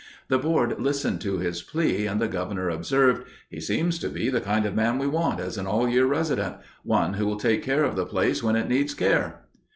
The board listened to his plea, and the Governor observed, "He seems to be the kind of man we want as an all year resident—one who will take care of the place when it needs care."